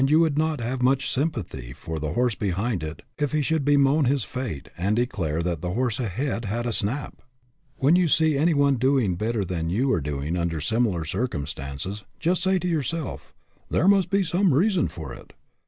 223 you would not have much sympathy for the horse behind if he should bemoan his fate and declare that the horse ahead had a snap! When you see any one doing better than you are doing under similar circumstances, just say to yourself, "There must be some reason for it.